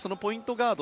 ガード